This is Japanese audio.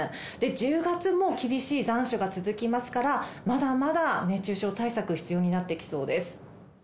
１０月も厳しい残暑が続きますから、まだまだ熱中症対策必要になってきそうです。